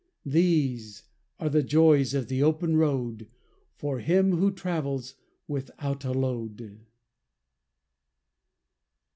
These are the joys of the open road For him who travels without a load.